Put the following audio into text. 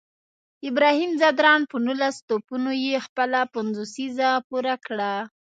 ابراهیم ځدراڼ په نولس توپونو یې خپله پنځوسیزه پوره کړه